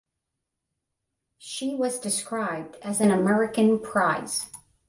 She was described as an American prize.